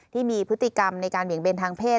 ที่มีพฤติกรรมในการเบี่ยงเบนทางเพศ